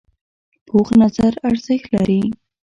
پوخ نظر ارزښت لري